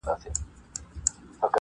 لا درته ګوري ژوري کندي -